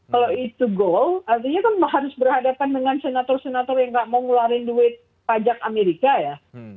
kalau itu goal artinya kan harus berhadapan dengan senator senator yang nggak mau ngeluarin duit pajak amerika ya